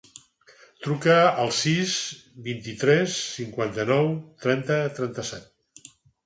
Truca al sis, vint-i-tres, cinquanta-nou, trenta, trenta-set.